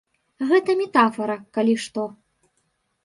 Гэта метафара, калі што.